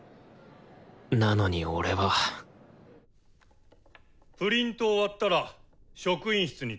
なのに俺はプリント終わったら職員室に提出な！